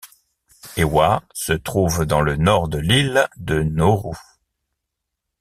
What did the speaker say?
Ewa se trouve dans le Nord de l'île de Nauru.